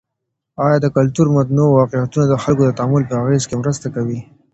آیا د کلتور متنوع واقعيتونه د خلګو د تعامل په اغیز کي مرسته کوي؟